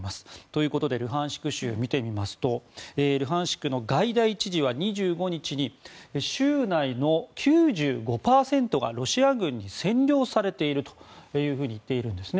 ということで、ルハンシク州見てみますとルハンシクのガイダイ知事は２５日に州内の９５％がロシア軍に占領されているというふうに言っているんです。